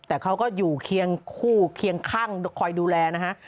แต่เขาก็อยู่เคียงคู่เคียงข้างคอยดูแลนะฮะ